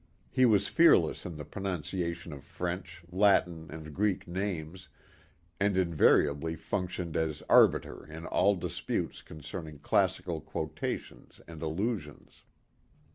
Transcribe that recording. He was fearless in the pronunciation of French, Latin and Greek names and invariably functioned as arbiter in all disputes concerning classical quotations and allusions.